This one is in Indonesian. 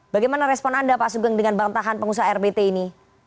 bagaimana respon anda pak sugeng dengan bantahan pengusaha rbt ini